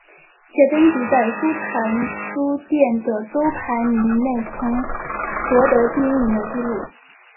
写真集在书泉书店的周排名内曾夺得第一名的纪录。